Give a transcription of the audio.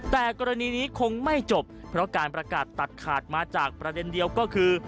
แต่กรณีนี้คงไม่จบเพราะการประกาศตัดขาดมาจากประเด็นเดียวก็คือ